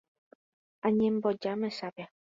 Añemboja mesápe